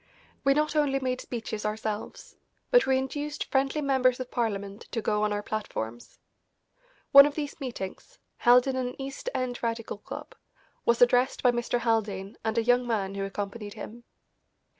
We not only made speeches ourselves, but we induced friendly members of Parliament to go on our platforms. One of these meetings, held in an East End Radical club, was addressed by Mr. Haldane and a young man who accompanied him.